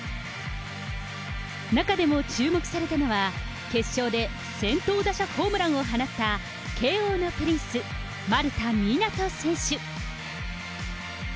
中でも注目されたのは、決勝で先頭打者ホームランを放った慶応のプリンス、丸田湊斗選手。